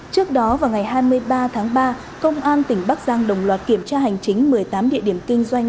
trước đó vào ngày hai mươi ba tháng ba công an tỉnh bắc giang đồng loạt kiểm tra hành chính một mươi tám địa điểm kinh doanh